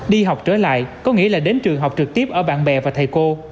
đi học trở lại có nghĩa là đến trường học trực tiếp ở bạn bè và thầy cô